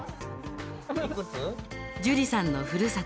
ジュリさんの故郷